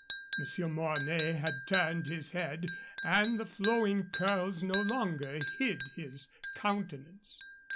Monsieur Mornay had turned his head, and the flowing curls no longer hid his countenance.